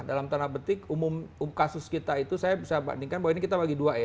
dalam tanda betik umum kasus kita itu saya bisa bandingkan bahwa ini kita bagi dua ya